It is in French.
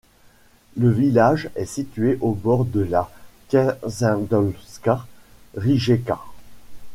Le village est situé au bord de la Kasindolska rijeka.